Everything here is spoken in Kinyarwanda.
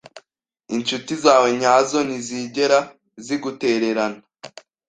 Inshuti zawe nyazo ntizigera zigutererana.